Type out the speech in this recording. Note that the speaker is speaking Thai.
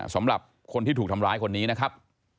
สำหรับคนที่ถูกทำร้ายคนนี้นะครับ